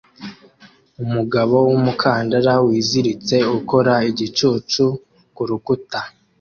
Umugabo wumukandara wiziritse ukora igicucu kurukuta